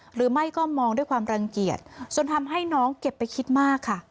หรือไม่ก็มองด้วยความรังเกียจจนทำให้น้องเก็บไปคิดมากค่ะ